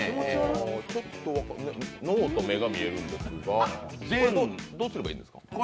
脳と目がみえるんですが、どうすればいいんですか？